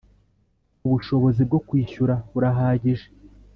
ubushobozi bwo kwishyura burahagije.